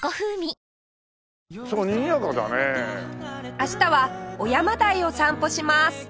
明日は尾山台を散歩します